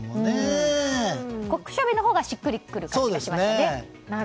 酷暑日のほうがしっくり来る感じがしますよね。